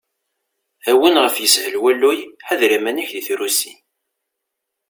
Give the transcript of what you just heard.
A win ɣef yeshel walluy, ḥader iman-ik di trusi!